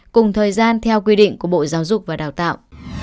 cùng thời gian theo quy định của bộ giáo dục và đào tạo